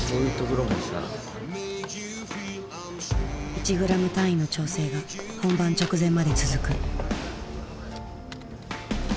１グラム単位の調整が本番直前まで続く。